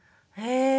へえ。